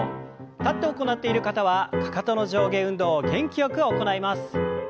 立って行っている方はかかとの上下運動を元気よく行います。